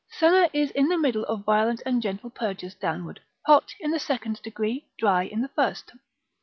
Senna is in the middle of violent and gentle purgers downward, hot in the second degree, dry in the first.